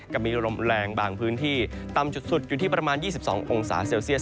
กับมีลมแรงบางพื้นที่ตำจุดสุดอยู่ที่ประมาณยี่สิบสององศาเซลเซียต